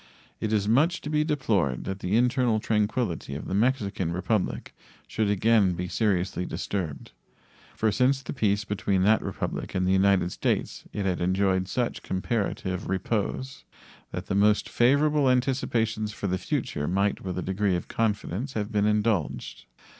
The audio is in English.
It is much to be deplored that the internal tranquillity of the Mexican Republic should again be seriously disturbed, for since the peace between that Republic and the United States it had enjoyed such comparative repose that the most favorable anticipations for the future might with a degree of confidence have been indulged.